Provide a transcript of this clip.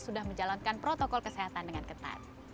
sudah menjalankan protokol kesehatan dengan ketat